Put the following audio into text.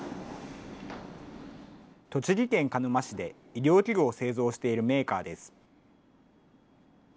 栃木県鹿沼市で医療器具を製造しているメーカーです。